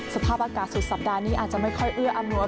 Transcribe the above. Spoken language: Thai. สภาพอากาศสุดสัปดาห์นี้อาจจะไม่ค่อยเอื้ออำนวย